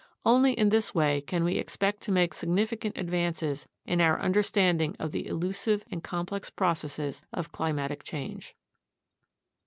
Only in this way can we expect to make significant advances in our understanding of the elusive and complex processes of climatic change.